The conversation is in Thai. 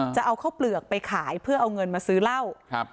จะเอาข้าวเปลือกไปขายเพื่อเอาเงินมาซื้อเหล้าครับ